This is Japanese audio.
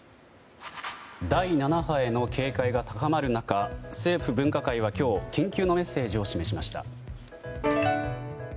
第７波への警戒が高まる中政府分科会は今日緊急のメッセージを示しました。